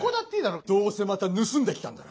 どうせまた盗んできたんだろ。